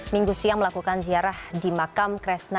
minggu siang melakukan ziarah di makam kresna